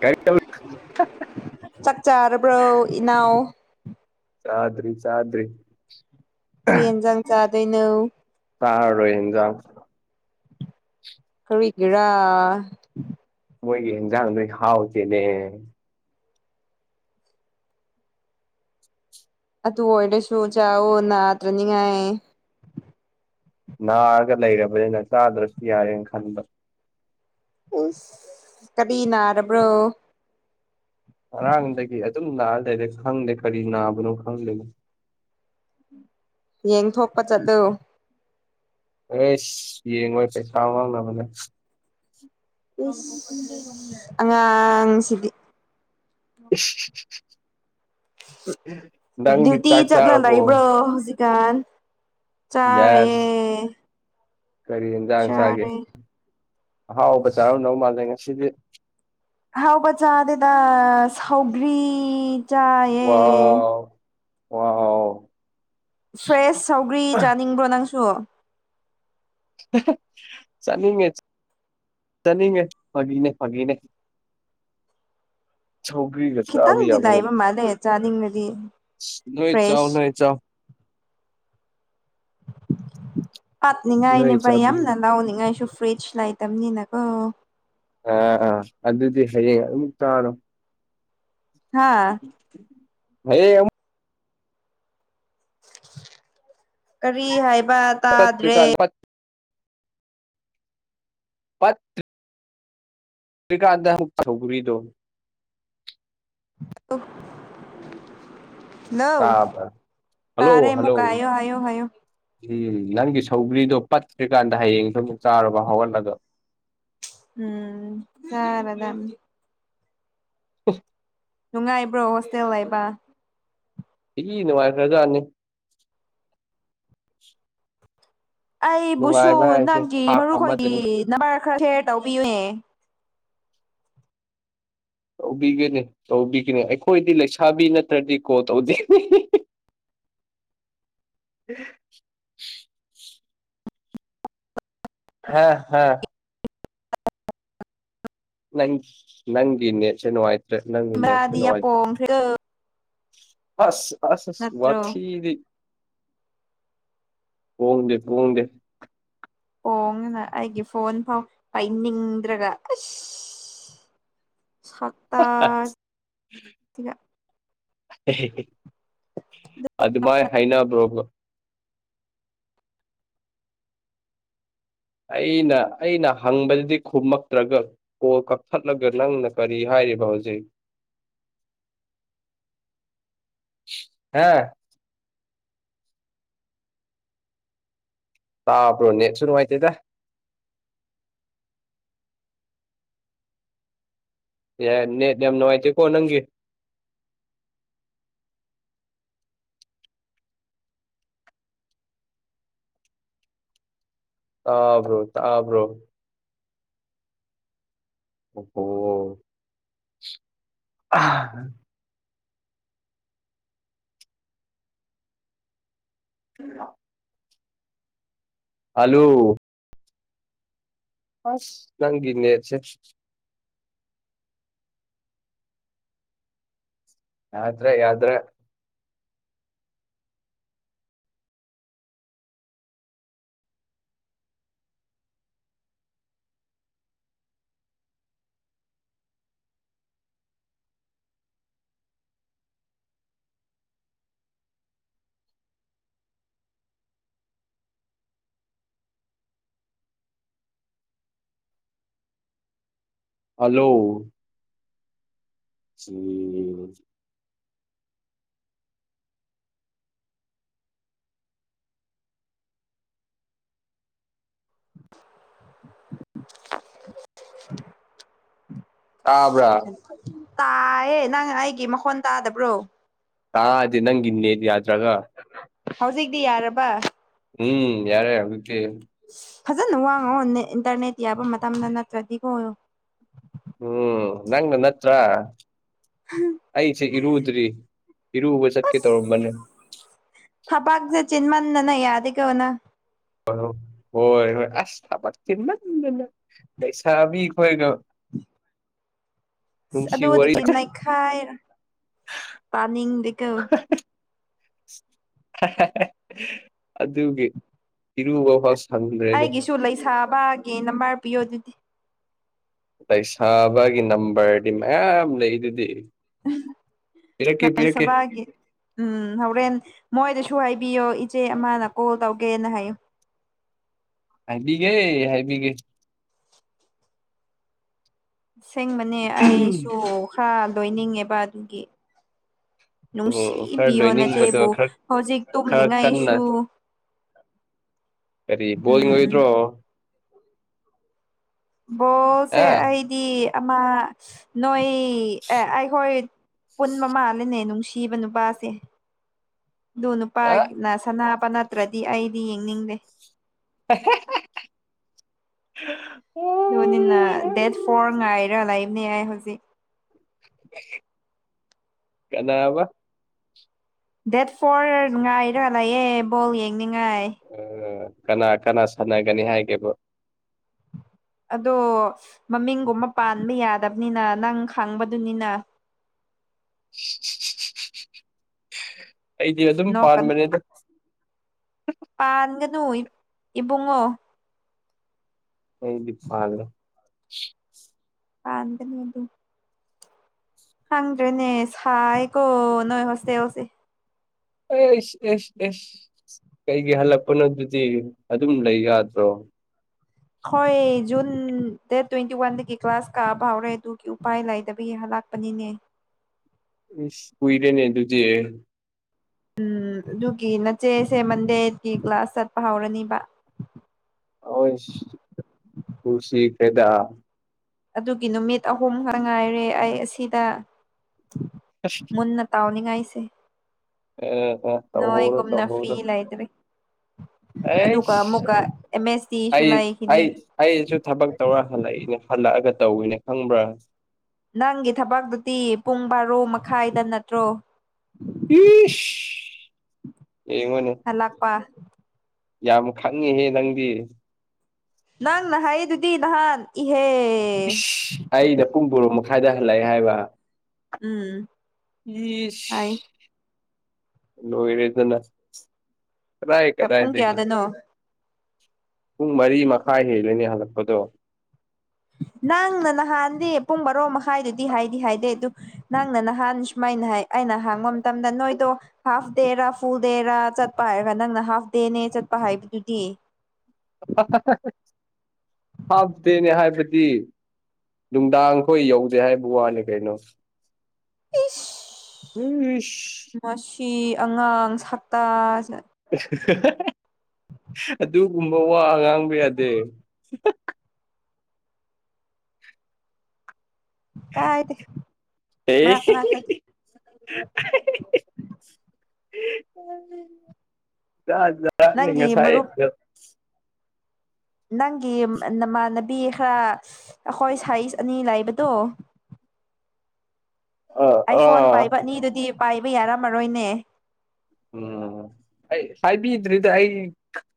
ꯀꯩꯔꯤ ꯆ ꯆꯥꯛ ꯆꯥꯔꯕ꯭ꯔꯣ ꯏꯅꯥꯎ ꯆꯥꯗ꯭ꯔꯤ ꯆꯥꯗ꯭ꯔꯤ ꯀꯔꯤ ꯌꯦꯟꯖꯥꯡ ꯆꯗꯣꯏꯅꯧ ꯇꯥꯔꯔꯣꯏ ꯍꯟꯖꯥꯡ ꯀꯜꯕꯤ ꯀꯔꯥ ꯃꯣꯏꯒꯤ ꯏꯟꯖꯥꯡ ꯅꯣꯏ ꯍꯥꯎꯇꯦꯅꯦ ꯑꯗꯨ ꯑꯣꯏꯔꯁꯨ ꯆꯥꯛꯎ ꯅꯥꯗ꯭ꯔꯅꯤꯉꯥꯏ ꯅꯥꯑꯒ ꯂꯩꯔꯕꯅꯤꯅ ꯆꯥꯗ꯭ꯔꯁꯨ ꯌꯥꯔꯦꯅ ꯈꯟꯕ ꯎ ꯀꯔꯤ ꯅꯥꯔꯕ꯭ꯔꯣ ꯉꯔꯥꯡꯗꯒꯤ ꯑꯗꯨꯝ ꯅꯥꯑ ꯂꯩꯔꯦ ꯈꯪꯗꯦ ꯀꯔꯤ ꯅꯥꯕꯅꯣ ꯈꯪꯗꯦꯅꯣ ꯌꯦꯡꯊꯣꯛꯄ ꯆꯠꯂꯨ ꯑꯦ ꯌꯦꯡꯉꯣꯏ ꯄꯩꯁꯥꯃꯅꯕꯅꯦ ꯑꯉꯥꯡ ꯁꯤꯗꯤ ꯎ ꯅꯪꯗꯤ ꯗ꯭ꯌꯨꯇꯤ ꯆꯥꯛ ꯆꯠꯅꯥꯅꯥ ꯆꯥꯔꯕꯣ ꯏ ꯄꯨ ꯀꯥꯟ ꯆꯔꯦ ꯌꯦꯁ ꯀꯔꯤ ꯌꯦꯟꯖꯥꯡ ꯆꯥꯒꯦ ꯑꯍꯥꯎꯕ ꯆꯥꯔꯥꯎꯅꯕꯧ ꯃꯥꯜꯂꯦ ꯉꯁꯤꯗꯤ ꯍꯥꯎꯕ ꯆꯥꯗꯗ ꯍꯥꯎꯒꯔꯤ ꯆꯥꯌꯦ ꯑꯣ ꯍꯣ ꯐ꯭ꯔꯦꯁ ꯁꯧꯒ꯭ꯔꯤ ꯆꯥꯅꯤꯡꯕ꯭ꯔꯣ ꯅꯪꯁꯨ ꯆꯅꯤꯉꯦ ꯆꯅꯤꯡꯉꯦ ꯐꯥꯒꯤꯅꯦ ꯐꯥꯒꯤꯅꯦ ꯆꯧꯒꯖ ꯈꯤꯇꯪꯗꯤ ꯌꯥꯕ ꯅ ꯂꯩꯕ ꯃꯥꯜꯂꯦ ꯆꯥꯅꯤꯡꯉꯗꯤ ꯅꯣꯏ ꯆ ꯐ꯭ꯔꯦꯁ ꯅꯣꯏ ꯆ ꯄꯠꯅꯤꯡꯉꯥꯏꯅꯦ ꯅꯣꯏ ꯚꯩ ꯆꯥꯕꯤꯌꯨ ꯌꯥꯝꯅ ꯂꯥꯎꯅꯤꯡꯉꯥꯏꯁꯨ ꯐ꯭ꯔꯤꯖ ꯂꯩꯇꯕꯅꯤꯅꯀꯣ ꯑꯥꯥ ꯑꯗꯨꯗꯤ ꯍꯌꯦꯡ ꯑꯗꯨꯝ ꯇꯥꯔꯣ ꯍꯥ ꯑꯩ ꯀꯔꯤ ꯍꯥꯏꯕ ꯇꯥꯗ꯭ꯔꯦ ꯇꯠꯇ꯭ꯔꯤꯀꯥꯟꯗ ꯄꯠ ꯄꯠ ꯀꯀꯥꯔꯗ ꯁꯒꯕꯤꯗꯣ ꯑ ꯂꯣ ꯇꯥꯕ꯭ꯔꯥ ꯍꯜꯂꯣ ꯇꯔꯦ ꯍꯜꯂꯣ ꯑꯃꯨꯛ ꯑꯣ ꯍꯥꯏꯌꯣ ꯍꯥꯏꯌꯣ ꯎꯝ ꯅꯪꯒꯤ ꯁꯧꯒ꯭ꯔꯤꯗꯣ ꯄꯠꯇ꯭ꯔꯤꯀꯥꯟꯗ ꯍꯌꯦꯡ ꯁꯨꯝ ꯆꯥꯔꯒ ꯍꯧꯍꯜꯂꯒ ꯎꯝ ꯐꯔꯦꯗꯥꯅꯤ ꯎ ꯅꯨꯡꯉꯥꯏꯕ꯭ꯔꯣ ꯍꯣꯁꯇꯦꯜ ꯂꯩꯕ ꯏ ꯅꯨꯡꯉꯥꯏꯈ꯭ꯔꯖꯥꯅꯤ ꯑꯩꯕꯨꯁꯨ ꯅꯨꯡꯉꯥꯏꯕ ꯍꯥꯏꯁꯦ ꯅꯪꯒꯤ ꯊꯥꯛ ꯃꯔꯨꯈꯣꯏꯒꯤ ꯑꯃꯗꯅꯤ ꯅꯝꯕꯔ ꯈꯔ ꯁꯦꯌꯔ ꯇꯧꯕꯤꯌꯨꯅꯦ ꯇꯧꯕꯤꯒꯅꯤ ꯇꯧꯕꯤꯒꯅꯤ ꯑꯩꯈꯣꯏꯗꯤ ꯂꯩꯁꯥꯕꯤ ꯅꯠꯇ꯭ꯔꯗꯤ ꯀꯣ ꯇꯧꯗꯦꯅꯤ [inaudible] ꯍ ꯍꯥ ꯍꯥ ꯅꯪ ꯅꯪꯒꯤꯅꯦꯁꯦ ꯅꯨꯡꯉꯥꯏꯇ꯭ꯔꯦ ꯅꯪꯒꯤꯅꯦꯁꯦ ꯃꯥꯗꯤ ꯌꯥꯝ ꯅꯨꯡꯉꯥꯏꯇ꯭ꯔꯦ ꯄꯣꯡꯈ꯭ꯔꯦ ꯑꯁ ꯑꯁ ꯑꯁ ꯅꯠꯇ꯭ꯔꯣ ꯋꯥꯊꯤꯗꯤ ꯐꯣꯡꯗꯦ ꯐꯣꯡꯗꯦ ꯍꯣꯡ ꯉꯅ ꯑꯩꯒꯤ ꯐꯣꯟ ꯐꯥꯎ ꯄꯥꯏꯅꯤꯡꯗ꯭ꯔꯒ [inaudible] ꯁꯠꯇꯒ ꯑꯗꯨꯃꯥꯏ ꯍꯥꯏꯅꯕ꯭ꯔꯣꯕꯣ ꯑꯩꯅ ꯑꯩꯅ ꯍꯪꯕꯗꯨꯗꯤ ꯈꯨꯝꯃꯛꯇ꯭ꯔꯒ ꯀꯣꯜ ꯀꯛꯊꯠꯂꯒ ꯅꯪꯅ ꯀꯔꯤ ꯍꯥꯏ ꯍꯥꯏꯔꯤꯕ ꯍꯧꯖꯤꯛ ꯍꯥꯦ ꯇꯥꯄ꯭ꯔꯣꯅꯦ ꯁꯅ ꯃꯥꯥꯏꯇꯦ ꯇ ꯌꯥ ꯅ ꯌꯥꯝꯦꯝ ꯅꯉꯏꯇ ꯀ ꯅ ꯑꯪꯒꯦ ꯇꯥꯕ꯭ꯔꯣ ꯇꯥꯕ꯭ꯔꯣ ꯑꯣ ꯎꯣ ꯍꯂꯨ ꯅꯪꯤꯅꯦꯦ ꯁꯦ ꯌꯥꯇ꯭ꯔꯦ ꯌꯥꯗ꯭ꯔ ꯍꯜꯂꯣ ꯁꯤ [inaudible] ꯇꯥꯕ꯭ꯔꯥ ꯇꯥꯏꯌꯦ ꯅꯪ ꯑꯩꯒꯤ ꯃꯈꯣꯟ ꯇꯥꯗꯕ꯭ꯔꯣ ꯇꯥꯗꯤ ꯅꯪꯒꯤꯅꯦ ꯌꯥꯗ꯭ꯔꯒ ꯍꯧꯖꯤꯛꯇꯤ ꯌꯥꯔꯕ ꯎꯝ ꯌꯥꯔꯦ ꯍꯧꯛꯇ ꯐꯖꯅ ꯋꯥꯡꯉꯣ ꯏꯟꯇꯔꯅꯦꯠ ꯌꯥꯕ ꯃꯇꯝꯗ ꯅꯠꯇ꯭ꯔꯗꯤ ꯀꯣ ꯑꯣꯏꯌꯣ ꯎꯝ ꯅꯪ ꯅꯪ ꯅꯠꯇ ꯑꯩꯁꯦ ꯏꯔꯨꯗ꯭ꯔꯤ ꯏꯔꯨꯕ ꯆꯠꯀꯦ ꯇꯧꯔꯝꯕꯅꯦ ꯊꯄꯥꯛꯛꯁꯦ ꯆꯤꯟ ꯃꯥꯟꯅꯅ ꯌꯥꯗ ꯀꯧꯅ ꯍꯂꯣ ꯍꯣꯏ ꯍꯣꯏ ꯑꯁ ꯊꯕ ꯄꯩꯁꯥꯕꯤꯛ ꯍꯣꯏꯒ [inaudible] ꯑ ꯑꯗꯨꯗꯒꯤ ꯅꯩꯈꯥꯏ ꯄꯥꯅꯤꯡꯗꯤꯀ ꯑꯗꯨꯒꯤ ꯏꯔꯨꯕ ꯍ ꯑꯩꯒꯤꯁꯨ ꯂꯩꯁꯥꯕꯒꯤ ꯅꯝꯕꯔ ꯄꯤꯌꯣ ꯑꯗꯨꯗꯤ ꯂꯩꯁꯥꯕꯒꯤ ꯅꯝꯕꯔꯗꯤ ꯃꯌꯥꯝ ꯂꯩ ꯑꯗꯨꯗꯤ ꯏꯁꯕꯦ ꯎꯝ ꯍꯣꯔꯦꯟ ꯃꯣꯏꯗꯁꯨ ꯍꯥꯏꯕꯤꯌꯣ ꯏꯆꯦ ꯑꯃꯅ ꯀꯣꯜ ꯇꯧꯒꯦꯅ ꯍꯥꯏꯌꯨ ꯍꯥꯏꯕꯤꯒꯦ ꯍꯥꯏꯕꯤꯒꯦ ꯑꯁꯦꯡꯕꯅꯦ ꯑꯩꯁꯨ ꯈꯔ ꯂꯣꯏꯅꯤꯡꯉꯦꯕ ꯑꯗꯨꯒꯤ ꯎꯝ ꯈꯔ ꯅꯨꯡꯁꯤꯕꯤꯌꯣ ꯂꯣꯏꯅꯤꯡꯕꯗꯣ ꯅꯆꯦꯕꯨ ꯈꯔ ꯍꯧꯖꯤꯛ ꯈꯔ ꯀꯟꯅ ꯇꯨꯝꯅꯤꯡꯉꯥꯏꯁꯨ ꯀꯔꯤ ꯕꯗꯤ ꯎꯝ ꯑꯣꯏꯗ꯭ꯔꯣ ꯕꯣꯜꯁꯦ ꯑ ꯑꯩꯗꯤ ꯑꯃ ꯅꯣꯏ ꯑꯩꯍꯣꯏ ꯄꯨꯟ ꯃ ꯃꯥꯥꯂꯅꯦ ꯅꯨꯡꯁꯤꯕ ꯅꯨꯄꯥꯁꯦ [inaudible] ꯑꯗꯨ ꯑ ꯅꯨꯄꯥꯅ ꯁꯅꯥꯕ ꯅꯠꯇ꯭ꯔꯗꯤ ꯑꯩꯗꯤ ꯌꯦꯡꯅꯤꯡꯗꯦ ꯍ ꯑꯗꯨꯅꯤꯅ ꯗꯦꯠ ꯐꯣꯔ ꯉꯥꯏꯔꯥ ꯂꯩꯕꯅꯦ ꯌꯥꯏ ꯍꯧꯖꯤꯛ ꯀꯩꯅꯕ ꯗꯦꯠ ꯐꯣꯔ ꯉꯥꯏꯔꯥ ꯂꯩꯥꯛꯑꯦ ꯕꯣꯜ ꯌꯦꯡꯅꯤꯡꯉꯥꯏ ꯑ, ꯀꯅꯥ ꯀꯅꯥ ꯁꯥꯟꯅꯒꯅꯤ ꯍꯥꯏꯒꯦꯕ ꯑꯗꯣ ꯃꯃꯤꯡꯒꯨꯝꯕ ꯄꯥꯟꯕ ꯌꯥꯗꯕꯅꯤꯅ ꯅꯪ ꯈꯪꯕꯗꯨꯅꯤꯅ [unintelligible] ꯑꯩꯗꯤ ꯑꯗꯨꯝ ꯅꯣꯛꯀꯅꯨ ꯄꯥꯟꯕꯅꯦꯗ ꯄꯥꯟꯒꯅꯨ ꯏꯕꯨꯡꯉꯣ ꯑꯩꯗꯤꯄꯥꯥꯂꯦ ꯑꯗꯅꯤ ꯑꯗꯨ ꯍꯪꯗ꯭ꯔꯦꯅꯦ ꯍꯥꯏꯀꯣ ꯅꯣꯏ ꯍꯣꯁꯇꯦꯜꯁꯦ ꯑꯦ ꯑꯩꯁ ꯑꯦꯁ ꯑꯦꯁ ꯀꯩꯒꯤ ꯍꯜꯂꯛꯄꯅꯣ ꯑꯗꯨꯗꯤ ꯑꯗꯨꯝ ꯂꯩ ꯌꯥꯗ꯭ꯔꯣ ꯍꯣꯏ ꯖꯨꯟ ꯗꯦꯠ ꯇ꯭ꯋꯦꯟꯇꯤ ꯋꯥꯟꯗꯒꯤ ꯀ꯭ꯂꯥꯁ ꯀꯛꯕ ꯍꯧꯔꯦ ꯑꯗꯨꯒꯤ ꯎꯄꯥꯏ ꯂꯩꯥꯏꯗꯕ ꯌꯥ ꯍꯜꯂꯛ ꯂꯥꯛꯄꯅꯤꯅꯦ ꯎ ꯀꯏꯔꯦꯅꯦ ꯑꯗꯨꯗꯤ ꯎꯝ ꯑꯗꯨꯒꯤ ꯅꯆꯦꯁꯦ ꯃꯟꯗꯦꯒꯤ ꯀ꯭ꯂꯥꯁ ꯆꯠꯄ ꯍꯧꯔꯅꯤꯕ ꯑꯣꯏ ꯈꯨꯁꯤ ꯐꯥꯏꯗꯥ ꯑꯗꯨꯒꯤ ꯅꯨꯃꯤꯠ ꯑꯍꯨꯝ ꯉꯥꯏꯔꯦ ꯑꯩ ꯑꯁꯤꯗ ꯃꯨꯟꯅ ꯇꯥꯎꯅꯤꯉꯥꯏꯁꯦ ꯑꯥ ꯇꯧꯍꯧꯔꯣ ꯅꯣꯣꯏꯒꯝꯅ ꯇꯧꯍꯧꯔꯣ ꯐꯤꯜꯥꯏꯗꯔꯤ ꯑꯗꯨꯒ ꯑꯩꯁ ꯑꯃꯨꯛꯀ ꯑꯦꯁ ꯇꯤꯁꯨ ꯑꯩ ꯂꯩꯈꯤꯅꯤ ꯑꯩ ꯑꯩꯁꯨ ꯊꯕꯛ ꯇꯧꯔ ꯍꯜꯂꯛꯏꯅꯦ ꯍꯜꯂꯛꯑꯒ ꯇꯧꯋꯤꯅꯦ ꯈꯪꯕ꯭ꯔꯥ ꯅꯪꯒꯤ ꯊꯕꯥꯛꯛꯇꯗꯤ ꯄꯨꯡ ꯕꯥꯔꯣ ꯃꯈꯥꯏꯗ ꯅꯠꯇ꯭ꯔꯣ ꯏ ꯑꯩꯃꯅꯦ ꯍꯜꯂꯛꯄ ꯌꯥꯝ ꯈꯪꯉꯤꯍꯦ ꯅꯪꯗꯤ ꯅꯪ ꯅ ꯍꯥꯏꯌꯦ ꯑꯗꯨꯗꯤ ꯅꯍꯥꯟ ꯏꯍꯦ ꯏꯁ ꯑꯩꯅ ꯄꯨꯡ ꯇꯣꯔꯣ ꯃꯈꯥꯏꯗ ꯍꯜꯂꯛꯑꯦ ꯍꯥꯏꯕ ꯎꯝ ꯍꯥꯏ ꯏꯁꯁ ꯂꯔꯦꯗꯅ ꯀꯗꯥꯏ ꯄꯨꯡ ꯀꯗꯥꯏꯈꯤ ꯀꯌꯥꯗꯅꯣ ꯄꯨꯡ ꯃꯔꯤ ꯃꯈꯥꯏ ꯍꯦꯜꯂꯅꯤ ꯍꯜꯂꯛꯄꯗꯣ ꯅꯪꯅ ꯅꯍꯥꯟꯗꯤ ꯄꯨꯡ ꯕꯥꯔꯣ ꯃꯈꯥꯏꯗꯨꯗꯤ ꯍꯥꯏꯗꯤ ꯍꯥꯏꯗꯦ ꯑꯗꯨ ꯅꯪꯅ ꯅꯍꯥꯟ ꯁꯨꯃꯥꯏꯅ ꯍꯥꯏ ꯅ ꯍꯥꯡꯕ ꯃꯇꯝꯗ ꯅꯣꯏꯗꯣ ꯍꯥꯐ ꯗꯦꯔꯥ ꯐꯨꯜ ꯗꯦꯔꯥ ꯆꯠꯄ ꯍꯥꯏꯔꯒ ꯅꯪꯅ ꯍꯥꯐ ꯗꯦꯅꯦ ꯆꯠꯄ ꯍꯥꯏꯥꯏꯕꯗꯨꯗꯤ ꯍꯥꯞꯗꯦꯅꯦ ꯍꯥꯏꯕꯗꯤ ꯅꯨꯡꯗꯥꯡꯈꯣꯏ ꯌꯧꯁꯦ ꯍꯥꯏꯕ ꯋꯥꯅꯤ ꯀꯩꯅꯣ ꯏꯁ ꯎꯝꯁ ꯐꯤ ꯑꯉꯥꯡ ꯁꯇꯥ [inaudible] ꯑꯗꯨꯒꯨꯝꯕ ꯋꯥ ꯑ ꯉꯥꯡꯕ ꯌꯥꯗꯦ ꯀꯥꯏꯗ ꯑꯦ ꯃꯅꯇ ꯌꯥ ꯅꯪꯒꯤ ꯉꯁꯥꯏ ꯃꯔꯨꯞ ꯅꯪꯒꯤ ꯅꯃꯥꯟꯅꯕꯤ ꯈꯔ ꯑꯩꯈꯣꯏ ꯁꯥꯏꯖ ꯑꯅꯤ ꯂꯩꯕꯗꯣ ꯑꯥ ꯑꯩ ꯐꯣꯟ ꯑꯥ ꯄꯥꯏꯕ ꯑꯅꯤꯗꯨꯗꯤ ꯄꯥꯏꯕ ꯌꯥꯔꯝꯃꯔꯣꯏꯅꯦ ꯎꯝ ꯑꯩ ꯍꯥꯏꯕꯤꯗ꯭ꯔꯤꯗ ꯑꯩ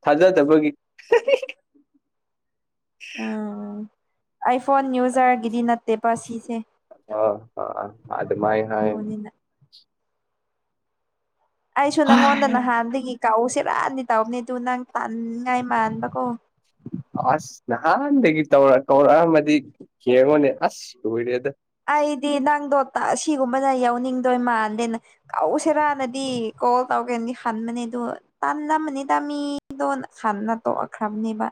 ꯊꯥꯖꯗꯕꯒꯤ [inaudible] ꯎꯝ ꯑꯩ ꯐꯣꯟꯣꯟ ꯅ꯭ꯌꯨꯁꯔ ꯤꯗꯤ ꯅꯠꯇ ꯑ ꯑ ꯑꯗꯃꯥꯏ ꯍꯥꯏ ꯑꯗꯨꯅꯤꯗ ꯑꯩꯁꯨ ꯅꯪꯉꯣꯟꯗ ꯅꯍꯥꯟꯗꯒꯤ ꯀꯥꯛꯎꯁꯦ ꯄꯨꯔꯥꯅꯤ ꯇꯥꯎꯕꯅꯦ ꯑꯗꯨ ꯅꯪ ꯇꯥꯟꯅꯤꯡꯉꯥꯏ ꯃꯥꯟꯕꯀꯣ ꯑꯁ ꯅꯍꯥꯟꯗꯒꯤ ꯇꯧꯔ ꯀꯧꯔꯛꯑꯝꯃꯗꯤ ꯌꯦꯡꯉꯣꯅꯦ ꯑꯁ ꯀꯨꯏꯔꯦꯗ ꯑꯩꯗꯤ ꯅꯪꯗꯣ ꯁꯤꯒꯨꯝꯕꯅ ꯌꯥꯎꯅꯤꯡꯗꯣꯏ ꯃꯜꯗꯦꯅ ꯁꯤꯔꯥ ꯅꯗꯤ ꯀꯣꯜ ꯇꯧ ꯀꯅꯤ ꯈꯟꯕꯅꯦꯗꯣ ꯇꯥꯟꯝꯕꯅꯦ ꯇꯗꯥ ꯃꯤꯗꯣ ꯍꯥꯟꯅ ꯇꯣꯛꯂꯈ꯭ꯔꯕꯅꯦꯕ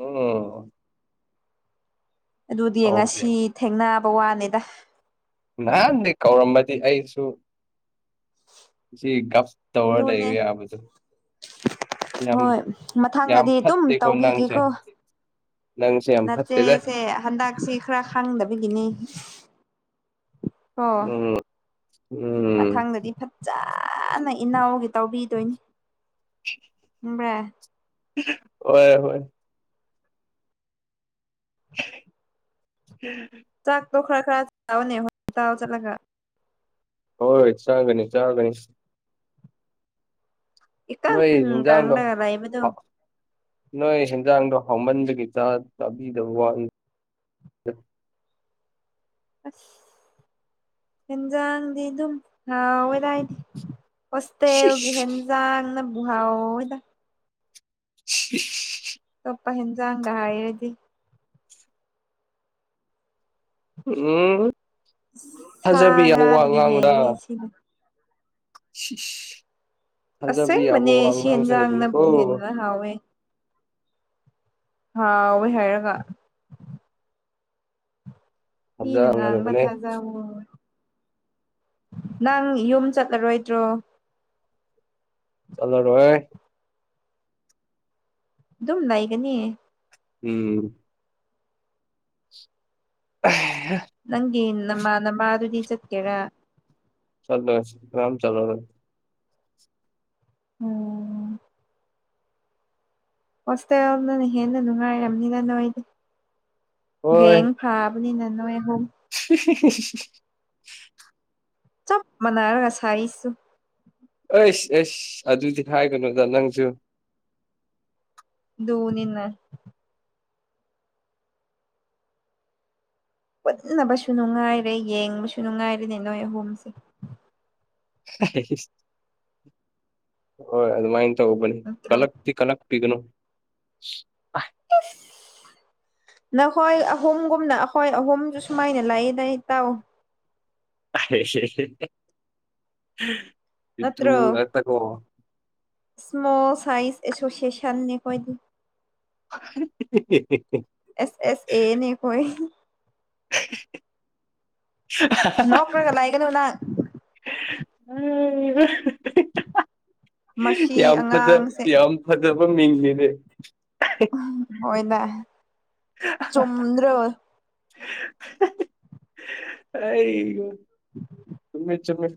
ꯑꯣ ꯑꯗꯨꯗꯤ ꯉꯁꯤ ꯊꯦꯡꯅꯕ ꯋꯥꯅꯤꯗ ꯅꯍꯥꯟꯗꯤ ꯀꯧꯔꯝꯕꯗꯤ ꯑꯩꯁꯨ ꯁꯤ ꯇꯧ ꯑꯗꯨꯅꯦ ꯇꯕꯗꯨ ꯍꯣꯏ ꯃꯊꯪꯗꯗꯤ ꯑꯗꯨꯝ ꯐꯠꯇꯦꯀꯣ ꯇꯧꯕꯤꯒꯦꯀꯣ ꯅꯪꯁꯦ ꯅꯪꯁꯦ ꯌꯥꯝ ꯐꯠꯇꯦꯗ ꯅꯠꯠꯇꯦꯁꯦ ꯍꯟꯗꯛꯁꯦ ꯈꯔ ꯈꯪꯗꯕꯒꯤꯅꯤ ꯀꯣ ꯎꯝ ꯎꯝ ꯃꯊꯪꯗꯗꯤ ꯐꯖꯅ ꯏꯅꯥꯎꯒꯤ ꯇꯧꯕꯤꯗꯣꯏꯅꯤ [inaudible] ꯈ꯭ꯔ ꯍꯣꯏ ꯍꯣꯏ ꯍꯝ ꯣ ꯈꯔ ꯈꯔ ꯆꯅꯦ ꯍꯣꯁꯄꯤꯇꯥꯜ ꯆꯠꯂꯒ ꯍꯣꯏ ꯆꯥꯡꯒꯅꯤ ꯆꯥꯒꯅꯤ ꯏꯀꯪ ꯅꯣꯏꯣꯏꯖꯗ ꯀꯪꯂꯒ ꯂꯩꯕꯗꯣ ꯅꯣꯏ ꯁꯦꯟꯖꯥꯡꯗꯣ ꯍꯥꯎꯃꯟꯕꯒꯤ ꯆꯥ ꯆꯥꯕꯤꯗꯕ ꯋꯥꯂꯤ [inaudible] ꯑꯁ ꯌꯦꯦꯟꯖꯥꯡꯗꯤ ꯑꯗꯨꯝ ꯑꯣꯏꯔꯗꯤ ꯁꯤꯁ ꯍꯣꯁꯇꯦꯜꯒꯤ ꯍꯦꯟꯖꯥꯡꯅ ꯕꯨꯍꯥꯎꯗ ꯍ ꯂꯄꯥꯄ ꯍꯦꯟꯖꯥꯡꯒ ꯍꯥꯏꯔꯗꯤ ꯎꯝ ꯊꯥꯖꯕ ꯁꯥꯥꯡ ꯌꯥꯕ ꯋꯥ ꯉꯗꯒ ꯍꯦꯂꯁꯤꯒ ꯁꯤ ꯊꯖꯕꯤ ꯑꯕꯣ ꯑꯁꯦꯡꯕꯅꯦ ꯍꯪ ꯁꯤ ꯌꯦꯟꯖꯥꯡꯅꯕꯨ ꯉꯥꯡꯁꯗꯅꯤꯀꯣ ꯍꯦꯟꯅ ꯍꯥꯥ ꯑꯣ ꯍꯥꯏꯒ ꯍ ꯅꯪꯉ ꯃ ꯉꯥꯡꯒꯗꯕꯅꯦ ꯊꯖ ꯅꯪ ꯌꯨꯝ ꯆꯠꯂꯔꯣꯏꯗ꯭ꯔꯣ ꯆꯂꯣ ꯔꯦ ꯑꯗꯨꯝ ꯂꯩꯒꯅꯤ ꯎꯝ ꯎ ꯅꯪꯒꯤ ꯅꯃꯥ ꯅꯃꯥꯗꯨꯗꯤ ꯆꯠꯀꯦꯔꯥ ꯆꯠꯂꯁꯤ ꯀꯝ ꯆꯂ ꯎꯝ ꯍꯣꯁꯇꯦꯜꯗꯅ ꯍꯦꯟꯅ ꯅꯨꯡꯉꯥꯏꯔꯕꯅꯤꯅ ꯅꯣꯏꯗꯤ ꯍꯣꯏ ꯌꯦꯡ ꯐꯥꯕ ꯑ ꯅꯅꯋꯦꯍ [inaudible] ꯆꯞ ꯃꯅꯔꯒꯁꯥꯏꯁꯨ ꯑꯩꯁ ꯑꯦꯁ ꯑꯗꯨꯗꯤ ꯍꯥꯏꯒꯅꯣꯗ ꯅꯪꯁꯨ ꯙꯎꯅꯤꯅ ꯄꯨꯟꯅꯕꯁꯨ ꯅꯨꯡꯉꯥꯏꯔꯦ ꯌꯦꯡꯕꯁꯨ ꯅꯨꯡꯉꯥꯏꯔꯦꯅꯦ ꯅꯣꯏ ꯑꯍꯨꯝꯁꯦ ꯍꯣꯏ ꯑꯗꯨꯃꯥꯏꯅ ꯇꯕꯅꯤ ꯅꯠꯇ꯭ꯔꯣ ꯀꯂꯛꯗꯤ ꯀꯂꯛ ꯄꯤꯒꯅ ꯇ ꯅꯈꯣꯏ ꯑꯍꯨꯝꯒꯨꯝꯅ ꯑꯩꯈꯣꯏ ꯑꯍꯨꯝꯁꯨ ꯁꯨꯃꯥꯏꯅ ꯂꯥꯛꯏꯗꯗꯥꯏ ꯇꯥꯎ ꯏꯠꯇ꯭ꯔꯨ ꯑꯛꯇ ꯀꯣ ꯁꯃꯣꯜ ꯁꯥꯏꯖ ꯑꯦꯁꯣꯁꯤꯌꯦꯁꯟꯅꯦ ꯀꯣꯏꯗ ꯍꯍꯍꯍ ꯑꯦꯁ ꯑꯦꯁ ꯑꯦꯅꯤ ꯀꯣꯏ ꯅꯣꯡꯀꯒ ꯂꯑꯒꯅꯅ ꯃꯁꯤ ꯌꯥꯝ ꯐꯖꯕ ꯑꯉꯥꯡꯁꯦ ꯌꯥꯝ ꯐꯖꯕ ꯏ ꯃꯤꯗ ꯍꯣꯏꯅꯦ ꯆꯨꯝꯗ꯭ꯔ ꯑꯩ ꯆꯨꯝꯃꯦ ꯆꯨꯝꯃꯦ